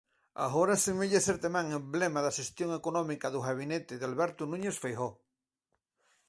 Agora semella ser tamén emblema da xestión económica do gabinete de Alberto Núñez Feijóo.